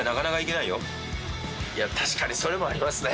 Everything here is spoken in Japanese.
いや確かにそれもありますね。